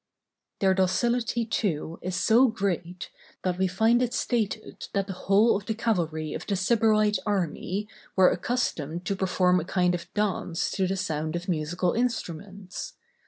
Their docility, too, is so great, that we find it stated that the whole of the cavalry of the Sybarite army were accustomed to perform a kind of dance to the sound of musical instruments.